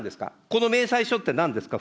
この明細書って、なんですか。